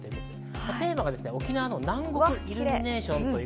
テーマが、沖縄の南国イルミネーションです。